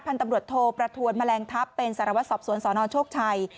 พันตำรวจโทประทวนแมลงทัพเป็นสารวศอบสวนศนรชกไทย